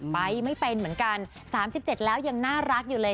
ไปไม่เป็นเหมือนกัน๓๗แล้วยังน่ารักอยู่เลย